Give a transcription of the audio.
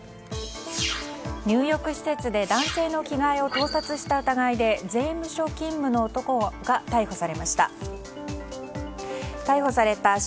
入浴施設で男性の着換えを盗撮した疑いで税務所勤務の男が逮捕されました。